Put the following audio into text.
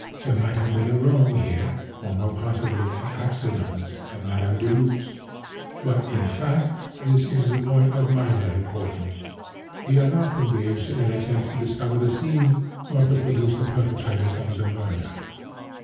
There might have been a wrong here, or, more possibly, an accident at Madame Deluc's. But, in fact, this is a point of minor importance. We are not engaged in an attempt to discover the scene, but to produce the perpetrators of the murder.